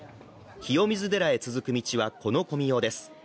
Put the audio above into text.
清水寺へと続く道は、この混みようです。